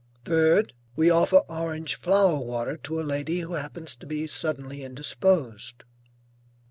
Third, we offer orange flower water to a lady who happens to be suddenly indisposed.